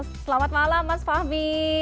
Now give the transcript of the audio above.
selamat malam mas fahmi